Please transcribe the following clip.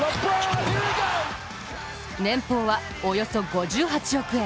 年俸はおよそ５８億円。